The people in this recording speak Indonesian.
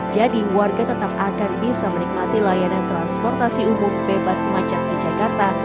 jadi warga tetap akan bisa menikmati layanan transportasi umum bebas macak di jakarta